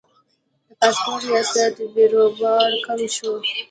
د پاسپورت ریاست بیروبار کم شوی؟